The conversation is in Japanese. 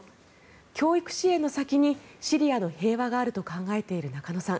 教育支援の先にシリアの平和があると考えている中野さん。